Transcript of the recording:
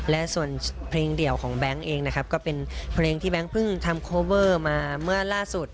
และส่วนเพลงเดี่ยวของแบงค์เองนะครับก็เป็นเพลงที่แบงค์เพิ่งทำโคเวอร์มาเมื่อล่าสุด